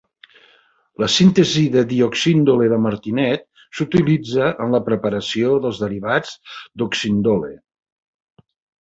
La síntesi de dioxindole de Martinet s'utilitza en la preparació dels derivats d'oxindole.